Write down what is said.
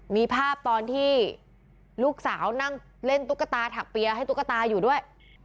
มีภาพตอนที่ลูกสาวนั่งเล่นตุ๊กตาถักเปียร์ให้ตุ๊กตาอยู่ด้วย